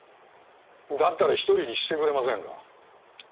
だったら一人にしてくれませんか。